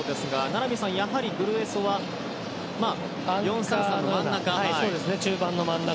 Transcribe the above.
名波さん、やはりグルエソは４−３−３の真ん中？